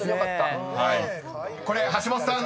［これ橋本さん